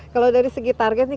kalau dari segi target